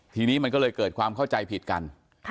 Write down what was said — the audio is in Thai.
ทีนี้มันก็เลยเกิดความเข้าใจผิดกัน